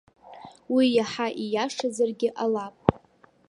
Уи иаҳа ииашазаргьы ҟалап.